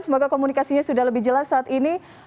semoga komunikasinya sudah lebih jelas saat ini